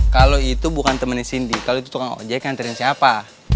kalau itu bukan temennya sindi kalau itu tukang ojek nganterin siapa